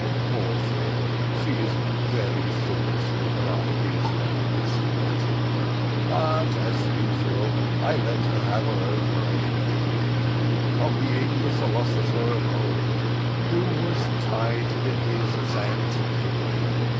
Poor thing! she is very foolish with her ideas upon this matter, but as usual I let her have her own way in every thing, copying the philosopher of old, who was tied to his Xantippe.